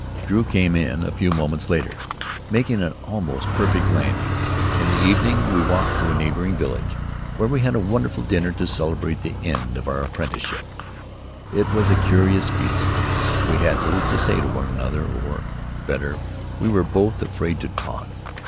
Drew came in a few moments later, making an almost perfect landing. In the evening we walked to a neighboring village, where we had a wonderful dinner to celebrate the end of our apprenticeship. It was a curious feast. We had little to say to one another, or, better, we were both afraid to talk.